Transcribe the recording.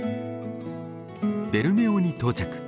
ベルメオに到着。